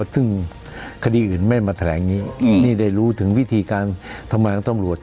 ซึ่งคดีอื่นไม่มาแถลงนี้นี่ได้รู้ถึงวิธีการทำงานของตำรวจ